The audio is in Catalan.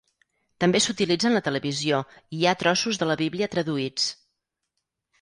També s'utilitza en la televisió i hi ha trossos de la Bíblia traduïts.